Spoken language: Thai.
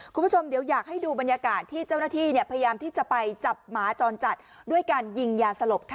คุณผู้ชมเดี๋ยวอยากให้ดูบรรยากาศที่เจ้าหน้าที่พยายามที่จะไปจับหมาจรจัดด้วยการยิงยาสลบค่ะ